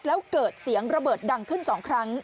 แล้วเกิดเสียงระเบิดดังขึ้น๒ครั้ง